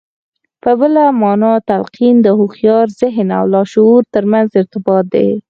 په بله مانا تلقين د هوښيار ذهن او لاشعور ترمنځ ارتباط دی.